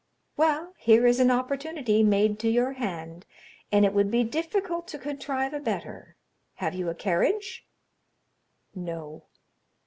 "Well, here is an opportunity made to your hand, and it would be difficult to contrive a better. Have you a carriage?" "No."